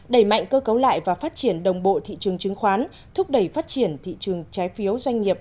đẩy mạnh cơ cấu lại và phát triển đồng bộ thị trường chứng khoán thúc đẩy phát triển thị trường trái phiếu doanh nghiệp